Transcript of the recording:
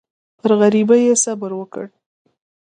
پر غریبۍ یې صبر وکړ.